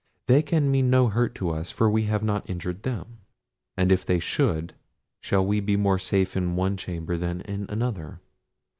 They can mean no hurt to us, for we have not injured them—and if they should, shall we be more safe in one chamber than in another?